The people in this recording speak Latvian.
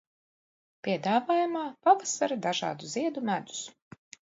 Piedāvājumā pavasara dažādu ziedu medus.